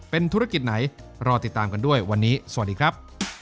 เป็นธุรกิจไหนรอติดตามกันด้วยวันนี้สวัสดีครับ